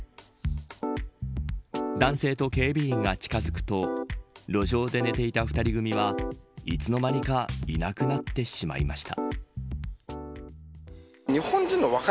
男性と警備員が近づくと路上で寝ていた２人組はいつの間にかいなくなってしまいました。